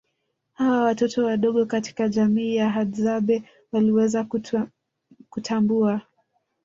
Hata watoto wadogo katika jamii ya hadzabe waliweza kutambua